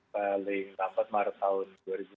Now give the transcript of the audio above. paling lambat maret tahun